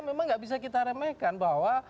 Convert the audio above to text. memang nggak bisa kita remehkan bahwa